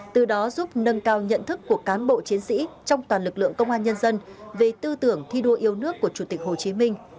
từ đó giúp nâng cao nhận thức của cán bộ chiến sĩ trong toàn lực lượng công an nhân dân về tư tưởng thi đua yêu nước của chủ tịch hồ chí minh